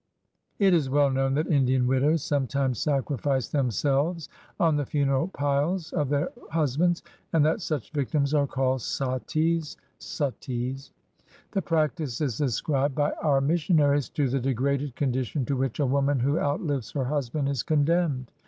It is well known that Indian widows sometimes sacri fice themselves on the funeral pile of their husbands, and that such victims are called sattis (suttees). The prac tice is ascribed by our missionaries to the degraded con dition to which a woman who outlives her husband is condemned.